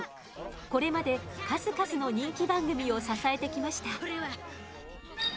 これまで数々の人気番組を支えてきました。